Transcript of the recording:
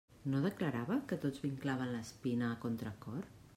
No declarava que tots vinclaven l'espina a contracor?